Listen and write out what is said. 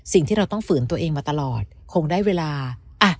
สิ่งที่เราต้องฝืนตัวเองมาตลอดคงได้เวลา